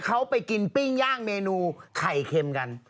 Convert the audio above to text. เขาไปกินปิ้งย่างเมนูไข่เค็มกัน